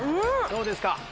どうですか？